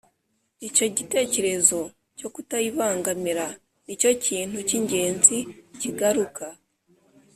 icyo gitekerezo cyo kutayibangamira ni cyo kintu cy’ingenzi kigaruka